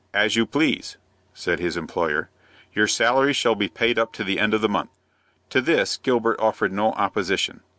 "As you please," said his employer. "Your salary shall be paid up to the end of the month." To this Gilbert offered no opposition.